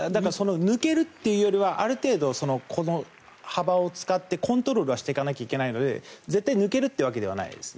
抜けるというよりはある程度、幅を使ってコントロールをしてかないといけないので絶対抜けるというわけではないです。